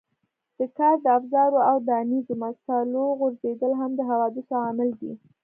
د کار د افزارو او ودانیزو مسالو غورځېدل هم د حوادثو عامل دی.